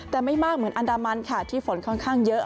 แต่ไม่มากเหมือนอันดามันค่ะที่ฝนค่อนข้างเยอะ